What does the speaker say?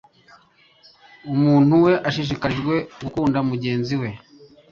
umuntu we ashishikarijwe gukunda mugenzi we